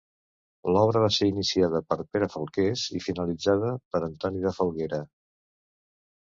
L'obra va ser iniciada per Pere Falqués i finalitzada per Antoni de Falguera.